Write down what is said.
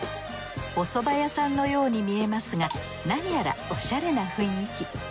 おそば屋さんのように見えますが何やらおしゃれな雰囲気。